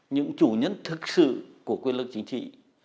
những chủ nhân thực sự của quyền lực chính trị